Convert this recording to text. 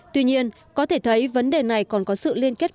tuy nhiên có thể thấy vấn đề này còn có sự liên kết